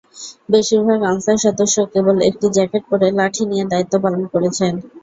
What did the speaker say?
বেশির ভাগ আনসার সদস্য কেবল একটি জ্যাকেট পরে লাঠি নিয়ে দায়িত্ব পালন করেছেন।